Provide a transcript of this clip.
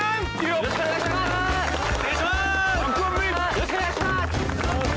よろしくお願いします！